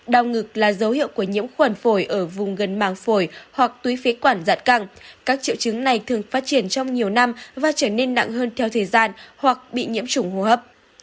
đau ngực là dấu hiệu của nhiễm khuẩn phổi ở vùng gần màng phổi hoặc túy phế quản dạ căng các triệu chứng này thường phát triển trong nhiều năm và trở nên nặng hơn theo thời gian hoặc bị nhiễm trùng hô hấp